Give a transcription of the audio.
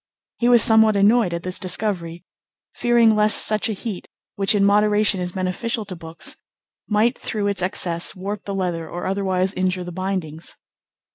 He was somewhat annoyed at this discovery, fearing lest such a heat, which in moderation is beneficial to books, might through its excess warp the leather or otherwise injure the bindings.